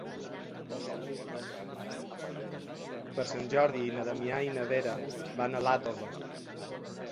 Per Sant Jordi na Damià i na Vera van a Iàtova.